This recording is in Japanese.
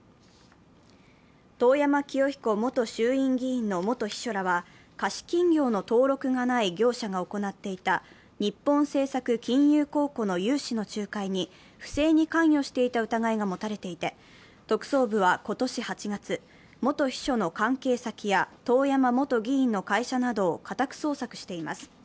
遠山清彦元衆院議員の元秘書らは貸金業の登録がない業者が行っていた日本政策金融公庫の融資の仲介に不正に関与していた疑いが持たれていて、特捜部は今年８月、元秘書の関係先や遠山元議員の会社などを家宅捜索しています。